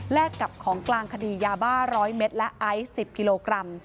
กับของกลางคดียาบ้า๑๐๐เมตรและไอซ์๑๐กิโลกรัม